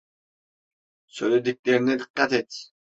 Söylediklerine dikkat et!